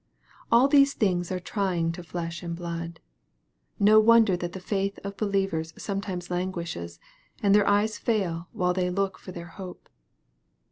All these things are trying to flesh and blood. No won der that the faith of believers sometimes languishes, and their eyes fail while they look for their hope.